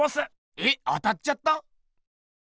えっ当たっちゃった？